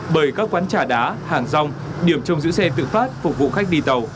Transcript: bởi các quán trà đá hàng rong điểm trong giữ xe tự phát phục vụ khách đi tàu